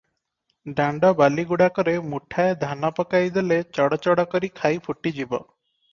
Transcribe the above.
ଦାଣ୍ତ ବାଲିଗୁଡ଼ାକରେ ମୁଠାଏ ଧାନ ପକାଇ ଦେଲେ ଚଡ଼ଚଡ଼ କରି ଖଇ ଫୁଟିଯିବ ।